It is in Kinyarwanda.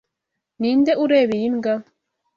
Ninde ureba iyi mbwa?